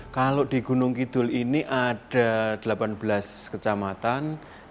kalau di gunung kidul ini ada delapan belas kecamatan